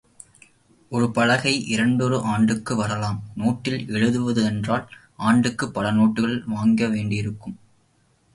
ஒரே பலகை இரண்டொரு ஆண்டுக்கு வரலாம் நோட்டில் எழுதுவதென்றால் ஆண்டுக்குப் பல நோட்டுகள் வாங்கவேண்டியிருக்கும்.